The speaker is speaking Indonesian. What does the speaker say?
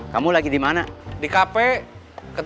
kamu bergantung sama si darek